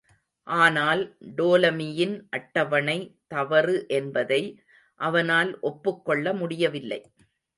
ஆனால் டோலமியின் அட்டவணை தவறு என்பதை அவனால் ஒப்புக் கொள்ள முடியவில்லை.